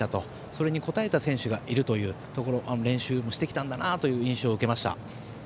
それに応えた選手がいるというところ練習もしてきたんだなという印象を受けました。